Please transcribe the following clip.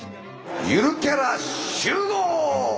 ゆるキャラ集合！